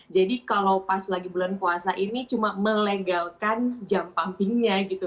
jadi kalau pas lagi bulan puasa ini cuma melegalkan jam pumpingnya gitu